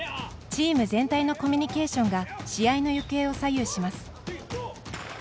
チーム全体のコミュニケーションが、試合の行方を左右します。